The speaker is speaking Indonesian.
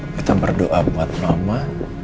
kita berdoa buat mama